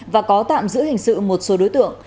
và có tạm giữ hình sự một số đối tượng